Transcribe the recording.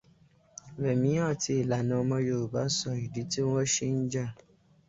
Rẹ̀mí àti Ìlànà Ọmọ Yorùbá sọ ìdí tí wón ṣe ń jà.